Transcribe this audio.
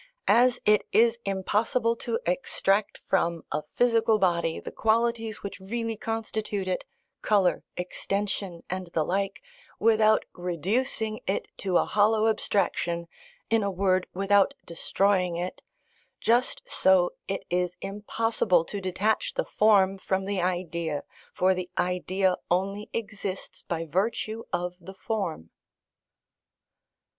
As it is impossible to extract from a physical body the qualities which really constitute it colour, extension, and the like without reducing it to a hollow abstraction, in a word, without destroying it; just so it is impossible to detach the form from the idea, for the idea only exists by virtue of the form.